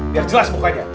biar jelas bukanya